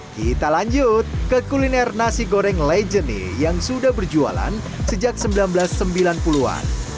kita lanjut ke kuliner nasi goreng legene yang sudah berjualan sejak seribu sembilan ratus sembilan puluh an